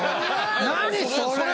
何それ！